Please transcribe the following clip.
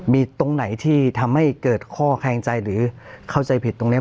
มีตรงไหนที่ทำให้เกิดข้อแคลงใจหรือเข้าใจผิดตรงนี้